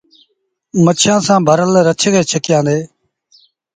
مڇيٚآنٚ سآݩٚ ڀرل رڇ ڪپ تي ڇڪيآندي۔